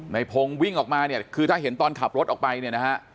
ในพงศ์วิ่งออกมาเนี่ยคือถ้าเห็นตอนขับรถออกไปเนี่ยนะฮะ